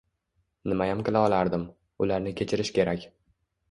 Nimayam qila olardim, ularni kechirish kerak